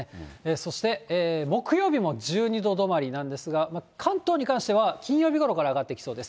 そして、木曜日も１２度止まりなんですが、関東に関しては金曜日ごろから上がってきそうです。